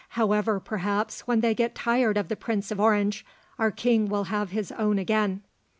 "However, perhaps, when they get tired of the Prince of Orange, our king will have his own again."